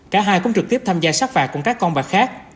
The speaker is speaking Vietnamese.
cả hai cũng trực tiếp tham gia sát phạt cùng các con bạc khác